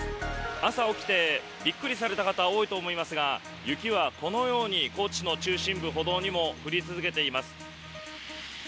朝起きてびっくりされた方、多いと思いますが、雪はこのように高知の中心部、歩道にも降り続けています。